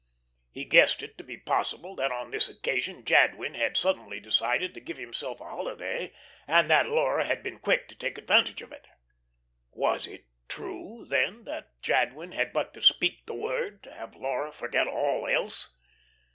He guessed it to be possible that on this occasion Jadwin had suddenly decided to give himself a holiday, and that Laura had been quick to take advantage of it. Was it true, then, that Jadwin had but to speak the word to have Laura forget all else?